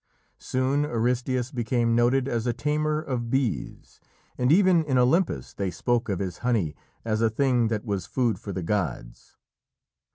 Soon Aristæus became noted as a tamer of bees, and even in Olympus they spoke of his honey as a thing that was food for the gods.